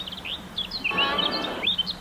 هر اړخ بايد د مقابل اړخ مزاج معلوم کړي